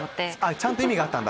ちゃんと意味があったんだ。